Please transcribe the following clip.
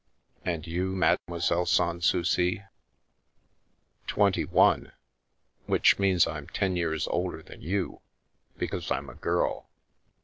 And you, Mademoiselle Sa Souci?" Twenty one; which means I'm ten years older tl you, because I'm a girl.